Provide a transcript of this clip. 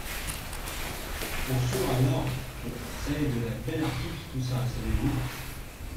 Pour sûr, alors, ç’aïe de la belle article, tout ça, savez-vous !